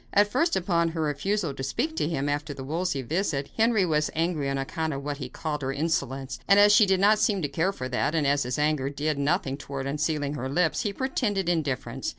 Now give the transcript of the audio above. At first, upon her refusal to speak to him after the Wolsey visit Henry was angry on account of what he called her insolence; but as she did not seem to care for that, and as his anger did nothing toward unsealing her lips, he pretended indifference.